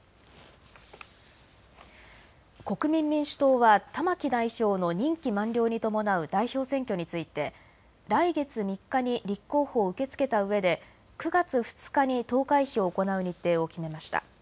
国民民主党は玉木代表の任期満了に伴う代表選挙について来月３日に立候補を受け付けたうえで９月２日に投開票を行う日程を決めました。